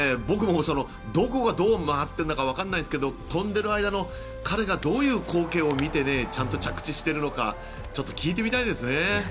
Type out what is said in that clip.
僕もどこがどう回ってるのかわからないんですけど跳んでいる間の彼がどういう光景を見てちゃんと着地してるのか聞いてみたいですね。